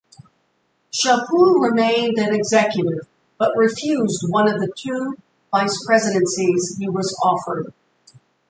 Chaput remained an executive, but refused one of the two vice-presidencies he was offered.